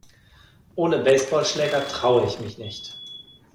Ohne Baseballschläger traue ich mich nicht.